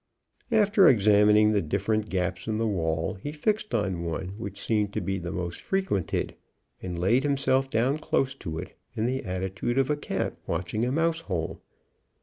After examining the different gaps in the wall, he fixed on one which seemed to be the most frequented, and laid himself down close to it, in the attitude of a cat watching a mouse hole.